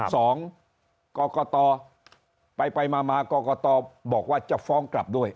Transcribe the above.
สองกรกตไปไปมามากรกตบอกว่าจะฟ้องกลับด้วย